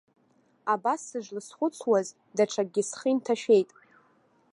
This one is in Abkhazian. Абас сышлызхәыцуаз, даҽакгьы схы инҭашәеит.